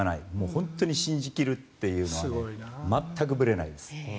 本当に信じ切るっていうのは全くぶれないです。